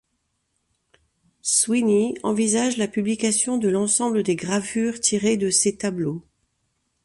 Swiny envisage la publication de l'ensemble des gravures tirées de ces tableaux.